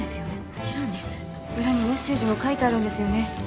もちろんです裏にメッセージも書いてあるんですよね